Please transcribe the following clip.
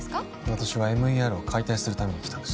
私はＭＥＲを解体するために来たんです